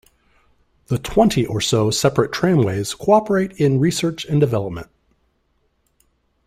The twenty or so separate tramways cooperate in research and development.